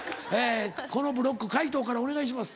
このブロック皆藤からお願いします。